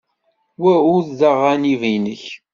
Wa ur d aɣanib-nnek.